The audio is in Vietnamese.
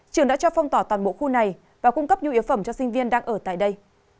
trường đã cho phong tỏa toàn bộ khu này và cung cấp nhu yếu phẩm cho sinh viên đang ở tại đây